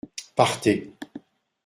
Partez !